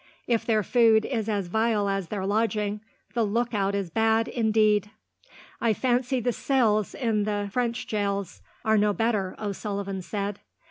If their food is as vile as their lodging, the lookout is bad, indeed." "I fancy the cells in the French jails are no better," O'Sullivan said.